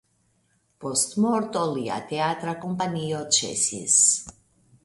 Post morto lia teatra kompanio ĉesis.